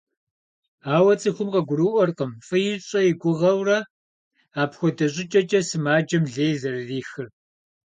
Ауэ цӀыхум къыгурыӀуэркъым, фӀы ищӀэ и гугъэурэ, апхуэдэ щӀыкӀэкӀэ сымаджэм лей зэрырихыр.